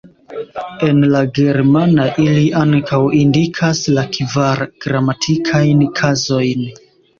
En la germana ili ankaŭ indikas la kvar gramatikajn kazojn.